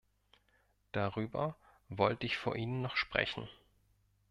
Darüber wollte ich vor Ihnen noch sprechen.